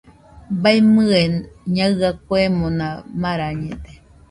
Baimɨe Ñaɨa kuemona marañede.